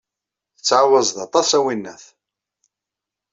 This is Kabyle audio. Tettɛawazeḍ aṭas, a winnat.